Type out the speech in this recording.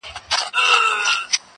o ژ